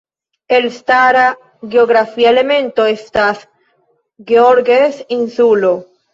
Elstara geografia elemento estas Georges Insulo.